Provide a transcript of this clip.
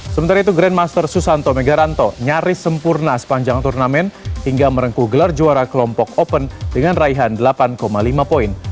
sementara itu grandmaster susanto megaranto nyaris sempurna sepanjang turnamen hingga merengkuh gelar juara kelompok open dengan raihan delapan lima poin